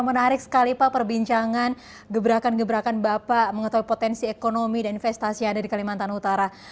menarik sekali pak perbincangan gebrakan gebrakan bapak mengetahui potensi ekonomi dan investasi yang ada di kalimantan utara